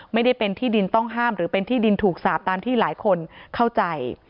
ไม่ได้เป็นที่ดินต้องห้ามหรือเป็นที่ดินถูกสาปตามที่หลายคนเข้าใจ